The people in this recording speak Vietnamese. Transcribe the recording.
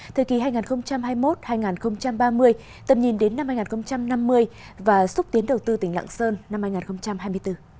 thời kỳ hai nghìn hai mươi một hai nghìn ba mươi tầm nhìn đến năm hai nghìn năm mươi và xúc tiến đầu tư tỉnh lạng sơn năm hai nghìn hai mươi bốn